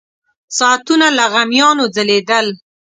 ساعتونه له غمیانو ځلېدل.